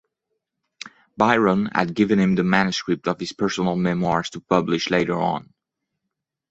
Byron had given him the manuscript of his personal memoirs to publish later on.